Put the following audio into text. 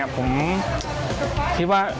ผมคิดว่า